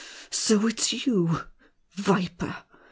So it's you? Viper!